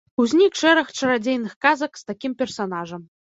Узнік шэраг чарадзейных казак з такім персанажам.